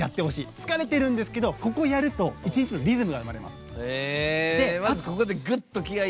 疲れてるんですけどここをやると一日にリズムが生まれます。